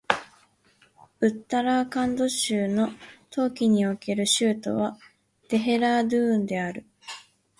ウッタラーカンド州の冬季における州都はデヘラードゥーンである